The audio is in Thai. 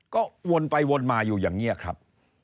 ก็วนไปวนมาอยู่อย่างนี้ครับ